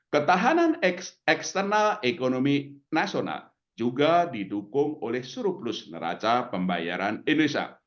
ketahanan eksternal ekonomi nasional juga didukung oleh surplus neraca pembayaran indonesia